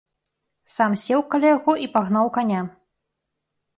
Сам сеў каля яго і пагнаў каня.